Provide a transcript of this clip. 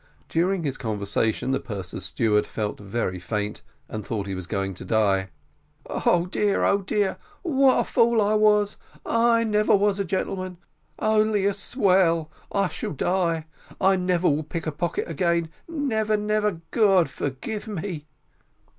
During this conversation, the purser's steward felt very faint, and thought he was going to die. "Oh, dear! oh, dear! what a fool I was; I never was a gentleman only a swell: I shall die; I never will pick a pocket again never never God forgive me!"